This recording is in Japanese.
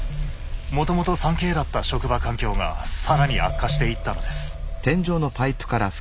もともと３Ｋだった職場環境が更に悪化していったのです。